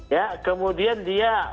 ya kemudian dia